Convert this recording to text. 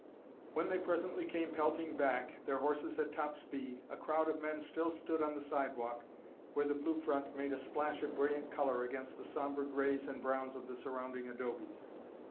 When they presently came pelting back, their horses at top speed, a crowd of men still stood on the sidewalk, where the Blue Front made a splash of brilliant color against the sombre grays and browns of the surrounding adobes.